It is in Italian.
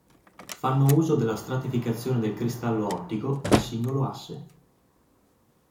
Fanno uso della stratificazione del cristallo ottico a singolo asse.